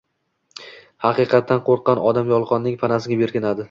Haqiqatdan qo’rqqan odam yolg’onning panasiga berkinadi.